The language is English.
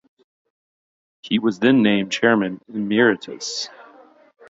He was then named chairman emeritus.